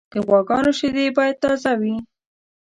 د غواګانو شیدې باید تازه وي.